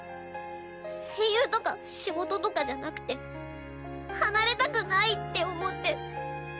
声優とか仕事とかじゃなくて離れたくないって思って。